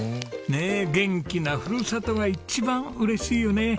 ねえ元気なふるさとが一番嬉しいよね。